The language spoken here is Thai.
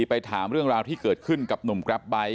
ไปถามเรื่องราวที่เกิดขึ้นกับหนุ่มกราฟไบท์